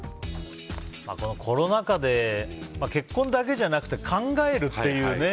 このコロナ禍で結婚だけじゃなくて考えるっていうね。